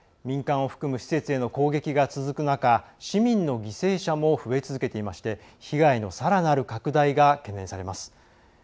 民間を含む施設への攻撃が続く中市民の犠牲者も増え続けていまして被害のさらなる拡大が懸念されます。